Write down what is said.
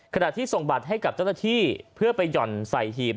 ขณะที่ส่งบัตรให้กับเจ้าหน้าที่เพื่อไปหย่อนใส่หีบ